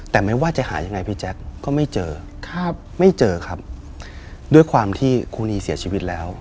แต่ไม่ว่าจะหายังไงพี่แจ๊คก็ไม่เจอครับไม่เจอครับด้วยความที่ครูนีเสียชีวิตแล้ว